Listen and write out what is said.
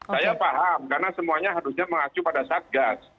saya paham karena semuanya harusnya mengacu pada satgas